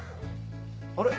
あれ？